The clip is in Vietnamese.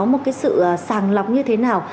một cái sự sàng lọc như thế nào